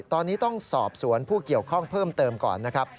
ตอนนี้ต้องสอบสวนผู้เกี่ยวข้องเพิ่มเติมก่อนนะครับ